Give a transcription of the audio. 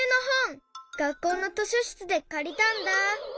がっこうの図書しつでかりたんだ！